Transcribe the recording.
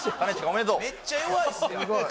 めっちゃ弱いっすやん